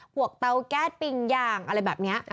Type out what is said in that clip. เตาแก๊สปิงยางอะไรแบบนี้